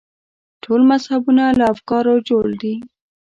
ټول مذهبونه له افکارو جوړ دي.